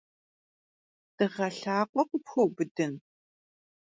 Dığe lhakhue khıpxueubıdın?